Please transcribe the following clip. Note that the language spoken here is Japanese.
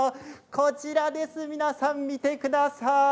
こちらです、皆さん見てください。